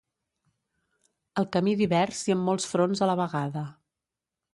El camí divers i en molts fronts a la vegada.